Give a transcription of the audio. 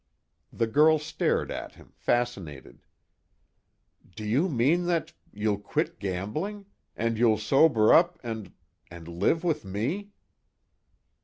The girl stared at him, fascinated: "Do you mean that you'll quit gambling and you'll sober up and and live with me?"